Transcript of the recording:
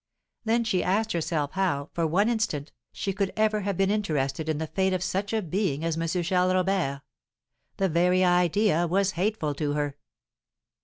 Then she asked herself how, for one instant, she could ever have been interested in the fate of such a being as M. Charles Robert, the very idea was hateful to her.